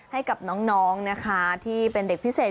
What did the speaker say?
ให้กับน้องนะคะที่เป็นเด็กพิเศษ